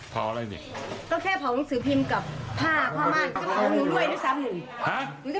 คนเนี้ยค่ะ